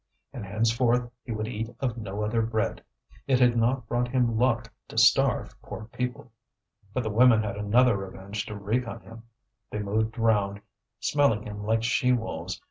And henceforth he would eat of no other bread. It had not brought him luck to starve poor people. But the women had another revenge to wreak on him. They moved round, smelling him like she wolves.